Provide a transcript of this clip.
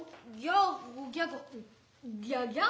「ギャギャ？